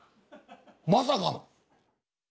まさかの。